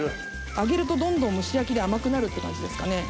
揚げるとどんどん蒸し焼きで甘くなるって感じですかね。